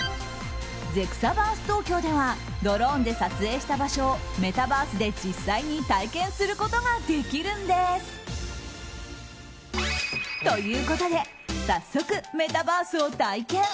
ゼクサバーストウキョウではドローンで撮影した場所をメタバースで実際に体験することができるんです。ということで早速、メタバースを体験。